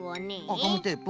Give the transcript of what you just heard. あっガムテープ。